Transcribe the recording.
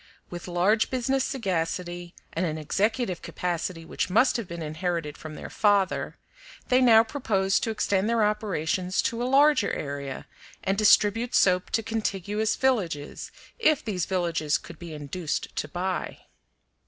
With large business sagacity and an executive capacity which must have been inherited from their father, they now proposed to extend their operations to a larger area and distribute soap to contiguous villages, if these villages could be induced to buy.